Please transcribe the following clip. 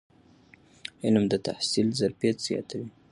علم د تحلیل ظرفیت زیاتوي.